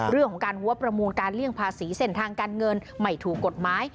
หัวประมูลการเลี่ยงภาษีเส้นทางการเงินไม่ถูกกฎหมาย